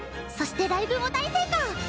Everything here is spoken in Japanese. そしてライブも大成功！